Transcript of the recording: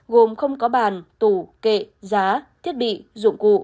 gồm không có bàn tủ kệ giá thiết bị dụng cụ